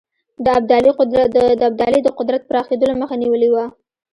د ابدالي د قدرت پراخېدلو مخه نیولې وه.